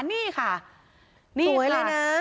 นี่ค่ะนี่ค่ะสวยเลยนะ